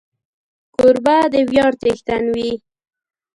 کوربه د ویاړ څښتن وي.